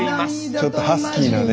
ちょっとハスキーなね。